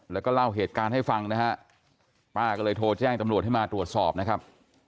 แล้วก็เล่าเหตุการณ์ให้ฟังนะฮะป้าก็เลยโทรแจ้งตำรวจให้มาตรวจสอบนะครับ